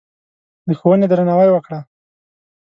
د ښوونې درناوی وکړه.